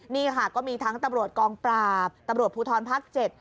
นี่ค่ะก็มีทั้งตำรวจกองปราบตำรวจภูทรภาค๗